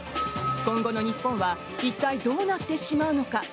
今後の日本は一体どうなってしまうのか？